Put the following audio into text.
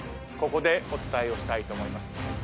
ここでお伝えをしたいと思います。